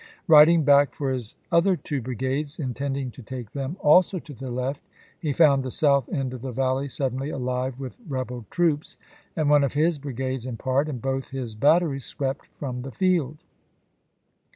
Riding back for his other two brigades, in ^%3^' tending to take them also to the left, he found the south end of the valley suddenly alive with rebel troops, and one of his brigades, in part, and both his batteries swept from the field.